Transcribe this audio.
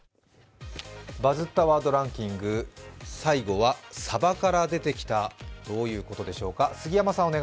「バズったワードランキング」最後はサバから出てきた、どういうことでしょうか。